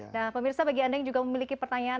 nah pemirsa bagi anda yang juga memiliki pertanyaan